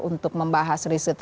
untuk membahas riset riset mereka